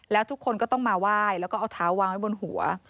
แล้วทุกคนก็ต้องมาไหว้แล้วก็เอาเท้าวางไว้บนหัว